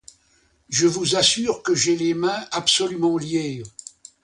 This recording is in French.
Je vous assure que j'ai les mains absolument liées.